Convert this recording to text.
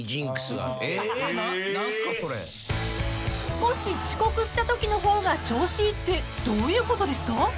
［少し遅刻したときの方が調子いいってどういうことですか？］